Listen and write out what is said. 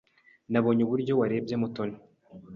Nabonye uburyo warebye Mutoni.